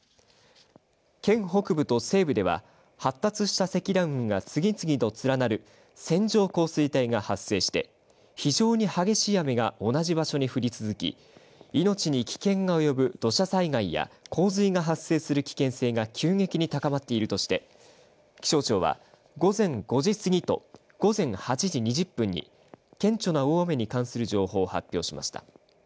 県北部と西部では発達した積乱雲が次々と連なる線状降水帯が発生して非常に激しい雨が同じ場所に降り続き命に危険が及ぶ土砂災害や洪水が発生する危険性が急激に高まっているとして気象庁は午前５時過ぎと午前８時２０分に顕著な大雨に関する情報を発表しました。